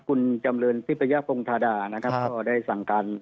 คุณจำเรียนพิพยาปรงธรรดาก็ได้สั่งการ